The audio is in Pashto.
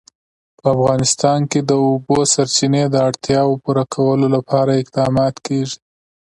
په افغانستان کې د د اوبو سرچینې د اړتیاوو پوره کولو لپاره اقدامات کېږي.